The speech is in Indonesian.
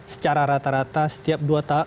secara rata rata setiap